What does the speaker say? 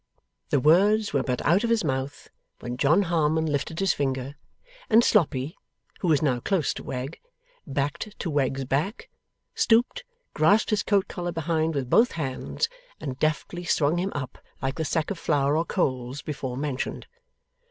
The words were but out of his mouth when John Harmon lifted his finger, and Sloppy, who was now close to Wegg, backed to Wegg's back, stooped, grasped his coat collar behind with both hands, and deftly swung him up like the sack of flour or coals before mentioned.